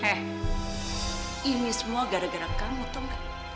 heh ini semua gara gara kamu tahu gak